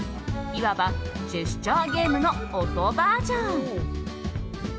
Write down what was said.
いわば、ジェスチャーゲームの音バージョン。